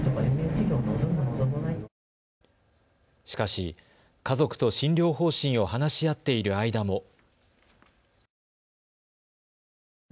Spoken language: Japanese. しかし、家族と診療方針を話し合っている間も。